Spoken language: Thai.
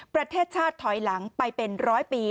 ประเทศชาติถอยหลังไปเป็นร้อยปี